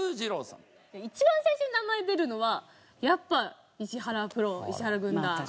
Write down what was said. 一番最初に名前出るのはやっぱ石原プロ石原軍団。